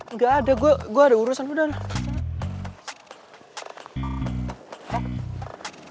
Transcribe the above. nggak ada gue ada urusan udah lah